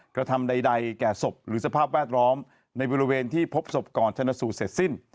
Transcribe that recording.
กระทำใดแก่ศพหรือสภาพแวดล้อมในบริเวณที่พบศพก่อนชนสูตรเสร็จสิ้น